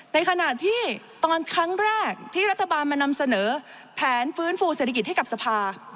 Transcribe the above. ในขณะที่ตอนครั้งแรกที่รัฐบาลมานำเสนอแผนฟื้นฟูเศรษฐกิจให้กับสภา